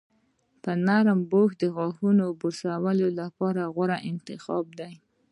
نرم برش د غاښونو لپاره غوره انتخاب دی.